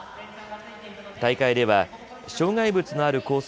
大会では障害物のあるコース